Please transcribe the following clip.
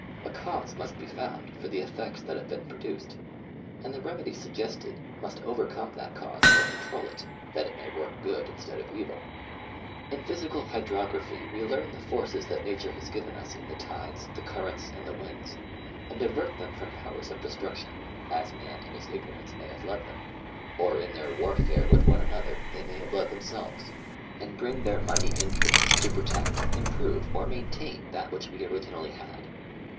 A cause must be found for the effects that have been produced, and the remedy suggested must overcome that cause or control it, that it may work good instead of evil. In Physical Hydro graphy we learn the forces that nature has given us in the tides, the currents and the winds, and divert them from powers of destruction, as man in his ignorance may have led them, or in their warfare with one another they may have led themselves; The Sttrvey of the Coast. 69 and bring their mighty influence to protect, improve or maintain that which we originally had.